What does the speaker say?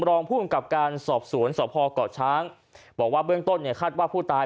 รองผู้กำกับการสอบสวนสพเกาะช้างบอกว่าเบื้องต้นเนี่ยคาดว่าผู้ตาย